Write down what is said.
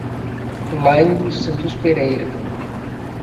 Alaine dos Santos Pereira